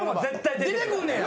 出てくんねや。